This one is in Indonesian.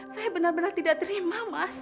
saya benar benar tidak terima mas